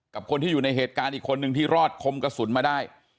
กับคนที่อยู่ในเหตุการณ์อีกคนนึงที่รอดคมกระสุนมาได้